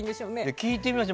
聞いてみましょう。